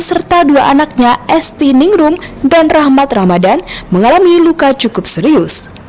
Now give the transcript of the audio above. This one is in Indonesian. serta dua anaknya esti ningrum dan rahmat ramadan mengalami luka cukup serius